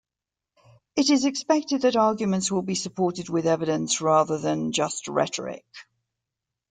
It is expected that arguments will be supported with evidence, rather than just rhetoric.